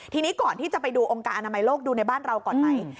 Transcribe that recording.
ทีนี้ก่อนที่จะไปดูองค์การอนามัยโลกดูในบ้านเราก่อนไหม